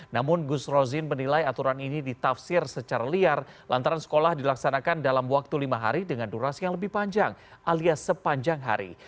namun gus rozin menilai aturan ini ditafsir secara liar lantaran sekolah dilaksanakan dalam waktu lima hari dengan durasi yang lebih panjang alias sepanjang hari